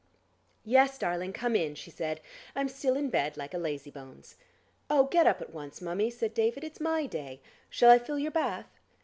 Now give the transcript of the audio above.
"Yes, darling, come in," she said. "I'm still in bed like a lazy bones." "Oh, get up at once, mummie," said David. "It's my day. Shall I fill your bath?"